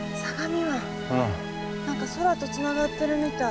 何か空とつながってるみたい。